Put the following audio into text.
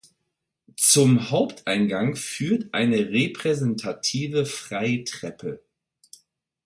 Zum Haupteingang führt eine repräsentative Freitreppe.